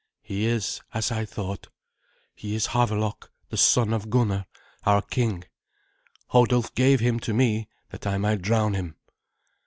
"He is as I thought he is Havelok, the son of Gunnar, our king. Hodulf gave him to me that I might drown him."